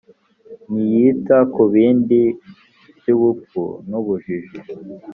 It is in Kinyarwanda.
ntiyita kubintu by ‘ubupfu n’ ubujiji.